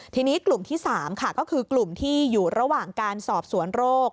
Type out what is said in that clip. ทีนี้กลุ่มที่๓ค่ะก็คือกลุ่มที่อยู่ระหว่างการสอบสวนโรค